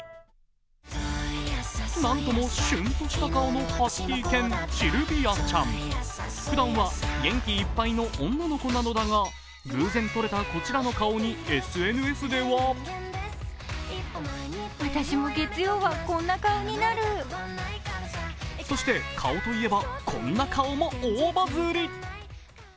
何ともシュンとした顔のハスキー犬、シルビアちゃん。ふだんは元気いっぱいの女の子なのだが、偶然撮れたこちらの顔にＳＮＳではそして顔といえば、こんな顔も大バズり。